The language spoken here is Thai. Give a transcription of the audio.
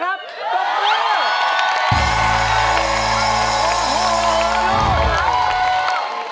กลับไป